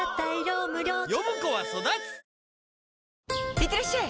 いってらっしゃい！